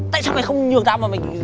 tại sao mày không nhường tao mà mày